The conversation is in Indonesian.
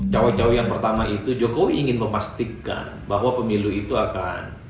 cawe cawe yang pertama itu jokowi ingin memastikan bahwa pemilu itu akan